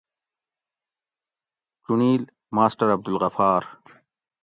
چُنڑیل: : ماسٹر عبدالغفار